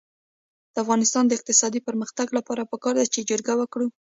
د افغانستان د اقتصادي پرمختګ لپاره پکار ده چې جرګه وکړو.